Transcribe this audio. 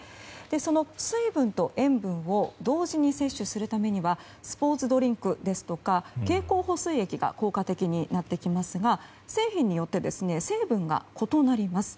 その水分と塩分を同時に摂取するためにはスポーツドリンクですとか経口補水液が効果的になってきますが製品によって成分が異なります。